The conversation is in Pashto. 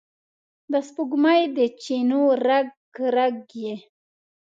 د سپوږمۍ د چېنو رګ، رګ یې،